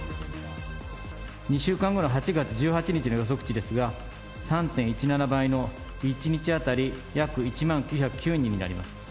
２週間後の８月１８日の予測値ですが、３．１７倍の１日当たり約１万９０９人になります。